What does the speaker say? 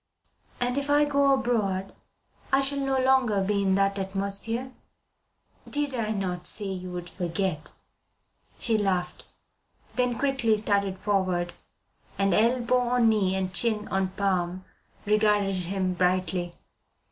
"And if I go abroad I shall no longer be in that atmosphere? Did I not say you would forget?" She laughed. Then quickly started forward, and, elbow on knee and chin on palm, regarded him brightly.